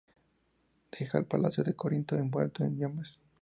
Deja el palacio de Corinto envuelto en llamas.